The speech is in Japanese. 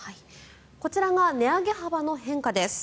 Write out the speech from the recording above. こちらが値上げ幅の変化です。